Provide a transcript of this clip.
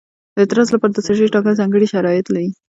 د اعتراض لپاره د سوژې ټاکل ځانګړي شرایط لري.